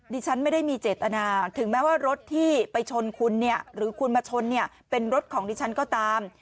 ดิฉันไม่ได้มีเจตนาถึงแม้ว่ารถที่ไปชนคุณเนี่ยหรือคุณมาชนเนี่ยเป็นรถของดิฉันก็ตาม